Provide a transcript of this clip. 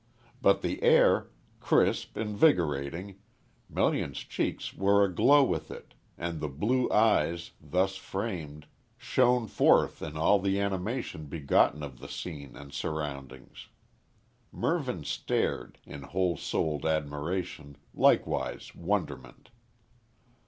But the air crisp, invigorating Melian's cheeks were aglow with it, and the blue eyes, thus framed, shone forth in all the animation begotten of the scene and surroundings. Mervyn stared, in whole souled admiration, likewise wonderment.